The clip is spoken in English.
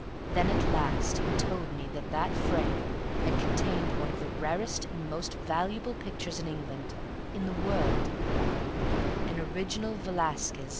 Then at last he told me that that frame had contained one of the rarest and most valuable pictures in England in the world an original Velasquez.